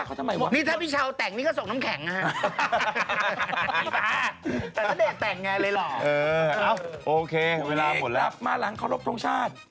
โอเคเวลาหมดแล้วมาร้านเคาะลบธงชาติ